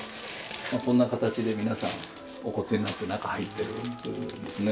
こんな形で皆さんお骨になって中入ってるんですね。